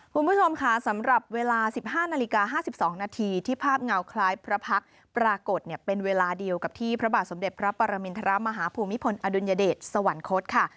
คุณผู้ชมค่ะสำหรับเวลา๑๕นาฬิกา๕๒นาทีที่ภาพเงาคล้ายพระพักษ์ปรากฏเนี่ยเป็นเวลาเดียวกับที่พระบาทสมเด็จพระปรมินทรมาฮภูมิพลอดุลยเดชสวรรคตค่ะ